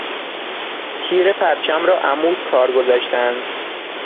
تیر پرچم را عمود کار گذاشتن